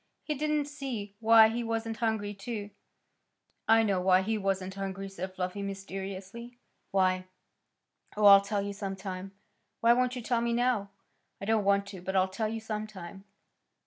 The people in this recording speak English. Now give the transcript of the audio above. He didn't see why he wasn't hungry, too. "I know why he wasn't hungry," said Fluffy mysteriously. "Why?" "Oh, I'll tell you some time." "Why won't you tell me now?" "I don't want to; but I'll tell you some time."